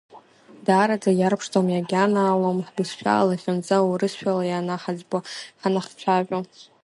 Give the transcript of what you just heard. Даараӡа иарԥшӡом, иагьанаалом ҳбызшәа алахьынҵа урыс-шәала ианаҳаӡбо, ҳанахцәажәо.